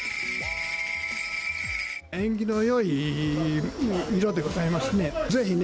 縁起のよい色でございますね。